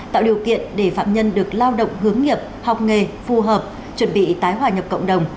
tạo điều kiện để phạm nhân được lao động hướng nghiệp học nghề phù hợp chuẩn bị tái hòa nhập cộng đồng